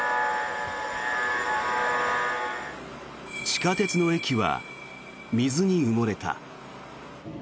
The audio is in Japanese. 地下鉄の駅は水に埋もれた。